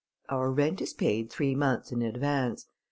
Our rent is paid three months in advance.